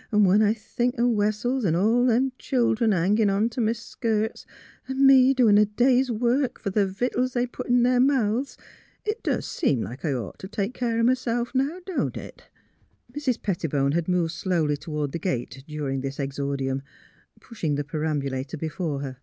... 'N ' when I think o ' AVessels an ' all them childern a hangin' t' m' skirts, an' me a doin' day's work fer th' vittles they put in their mouths, it doos seem like I'd ought t' take care o' m'self; now, don't it? " Mrs. Pettibone had moved slowly toward the gate during this exordium, pushing the peram bulator before her.